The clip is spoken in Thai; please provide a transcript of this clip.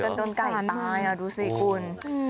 ตีกันโดนไก่ตายอะดูสิคุณ